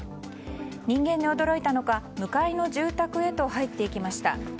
人間に驚いたのか向かいの住宅へと入っていきました。